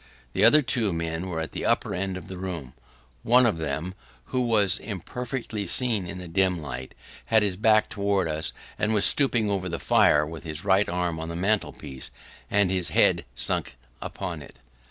The other two men were at the upper end of the room. One of them, who was imperfectly seen in the dim light, had his back towards us, and was stooping over the fire, with his right arm on the mantel piece, and his head sunk upon it.